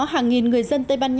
hàng nghìn người dân tây ban nha